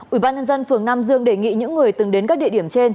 ủy ban nhân dân phường nam dương đề nghị những người từng đến các địa điểm trên